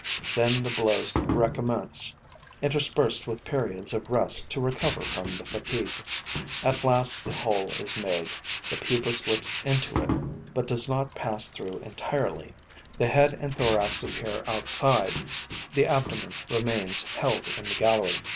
Then the blows recommence, interspersed with periods of rest to recover from the fatigue. At last, the hole is made. The pupa slips into it, but does not pass through entirely: the head and thorax appear outside; the abdomen remains held in the gallery.